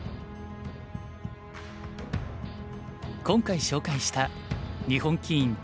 今回紹介した日本棋院